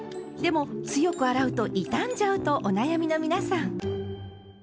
でも強く洗うと傷んじゃうとお悩みの皆さん。